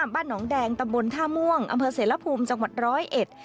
บ้านหนองแดงตำบลท่าม่วงอำเภอเสรภูมิจังหวัดร้อยเอ็ด